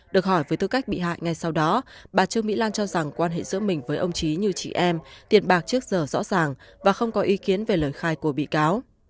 được hỏi về tư cách bị hại ngay sau đó bà trương mỹ lan cho rằng quan hệ giữa mình với ông trí như chị em tiền bạc trước giờ rõ ràng và không có ý kiến về lời khai của bị cáo